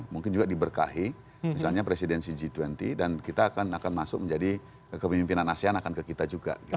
mungkin juga diberkahi misalnya presidensi g dua puluh dan kita akan masuk menjadi kepemimpinan asean akan ke kita juga